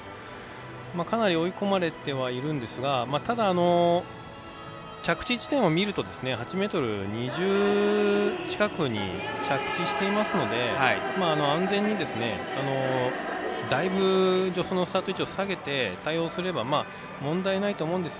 かなり追い込まれてはいるんですがただ着地地点を見ると８ｍ２０近くに着地していますので完全にだいぶ助走のスタート位置を下げて対応すれば問題ないと思うんです。